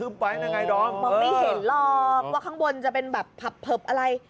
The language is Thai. มองเห็นล่อว่าบนจะเป็นแบบถับเปิบอะไร